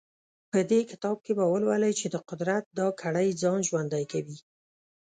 په دې کتاب کې به ولولئ چې د قدرت دا کړۍ ځان ژوندی کوي.